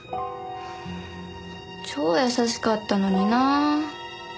超優しかったのにな。